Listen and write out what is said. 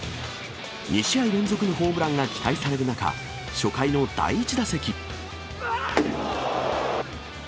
２試合連続のホームランが期待される中、初回の第１打席。